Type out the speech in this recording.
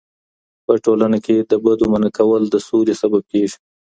په ټولنه کې د بدو منع کول د سولې سبب کېږي.